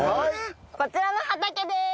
こちらの畑でーす！